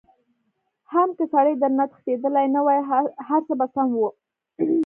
حم که سړی درنه تښتېدلی نه وای هرڅه به سم وو.